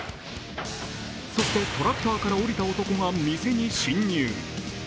そしてトラクターから降りた男が店に侵入。